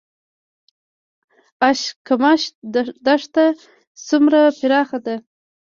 اشکمش دښته څومره پراخه ده؟